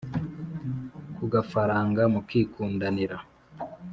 kugafaranga mukikundanira